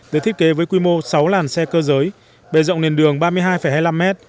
được thiết kế với quy mô sáu làn xe cơ giới bề rộng nền đường ba mươi hai hai mươi năm m